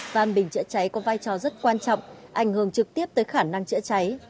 van bình cháy cháy có vai trò rất quan trọng ảnh hưởng trực tiếp tới khả năng cháy cháy